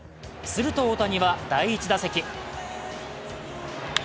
すると大谷は第１打席。